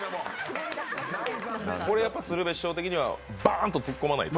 これは鶴瓶師匠的にはバーンとつっこまないと？